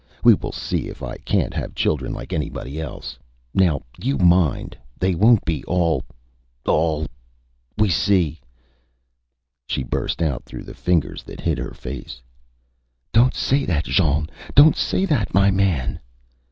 ... We will see if I canÂt have children like anybody else ... now you mind. ... They wonÂt be all ... all ... we see. .. .Â She burst out through the fingers that hid her face ÂDonÂt say that, Jean; donÂt say that, my man!